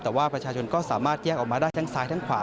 แต่ว่าประชาชนก็สามารถแยกออกมาได้ทั้งซ้ายทั้งขวา